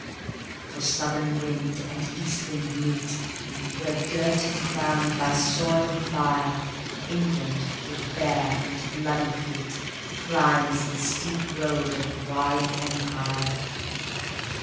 For southern wind and east wind meetWhere, girt and crowned by sword and fire, England with bare and bloody feetClimbs the steep road of wide empire.